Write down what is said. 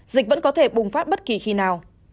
dịch vẫn có thể bùng phát bất kỳ khi nào